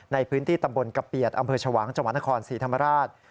ในพื้นที่ตำบลกะเปียดอำเภอชวางจังหวัดนครศรีธรรมราช